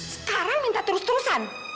sekarang minta terus terusan